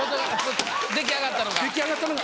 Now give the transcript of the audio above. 出来上がったのが。